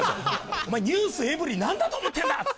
お前、ｎｅｗｓｅｖｅｒｙ．なんだと思ってるんだって。